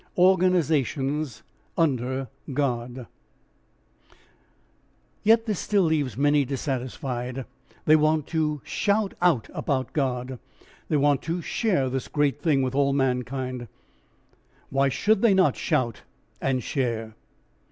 ORGANISATIONS UNDER GOD Yet still this leaves many dissatisfied. They want to shout out about God. They want to share this great thing with all mankind. Why should they not shout and share?